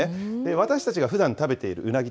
私たちがふだん食べているうなぎ